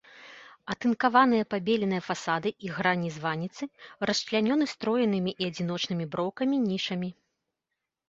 Атынкаваныя пабеленыя фасады і грані званіцы расчлянёны строенымі і адзіночнымі броўкамі нішамі.